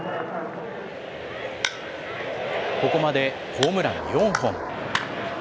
ここまでホームラン４本。